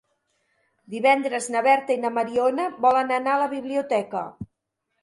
Divendres na Berta i na Mariona volen anar a la biblioteca.